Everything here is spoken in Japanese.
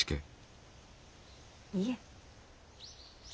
いえ。